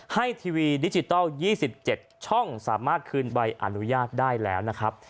ทีวีดิจิทัล๒๗ช่องสามารถคืนใบอนุญาตได้แล้วนะครับ